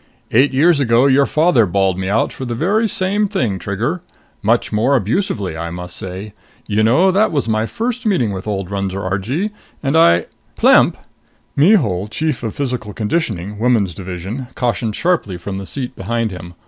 "Eight years ago, your father bawled me out for the very same thing, Trigger! Much more abusively, I must say. You know that was my first meeting with old Runser Argee, and I " "Plemp!" Mihul, Chief of Physical Conditioning, Women's Division, cautioned sharply from the seat behind him.